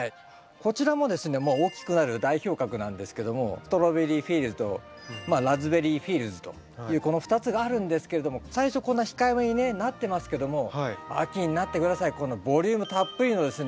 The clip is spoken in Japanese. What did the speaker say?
こちらもですね大きくなる代表格なんですけどもというこの２つがあるんですけれども最初こんな控えめにねなってますけども秋になって下さいこのボリュームたっぷりのですね